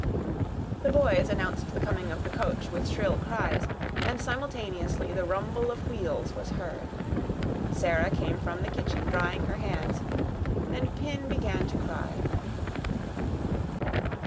The boys announced the coming of the coach with shrill cries, and simultaneously the rumble of wheels was heard. Sarah came from the kitchen drying her hands, and Pin began to cry.